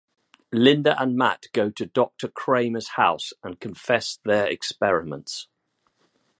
Linda and Matt go to Doctor Kramer's house and confess their experiments.